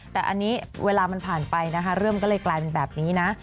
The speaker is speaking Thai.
แต่อันนี้เวลามันผ่านไปนะคะเรื่องมันก็เลยกลายเป็นแบบนี้นะ